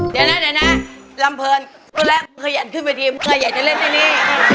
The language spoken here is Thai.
เดี๋ยวนะลำเพลินตอนแรกขยันขึ้นไปทีมขยันจะเล่นในนี้